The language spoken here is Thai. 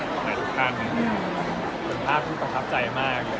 เป็นภาพที่ประภับใจมาก